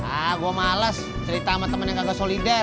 ah gue males cerita sama temen yang agak solidar